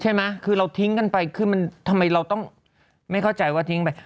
ใช่ไหมคือเราทิ้งกันไปคือมันทำไมเราต้องไม่เข้าใจว่าทิ้งไป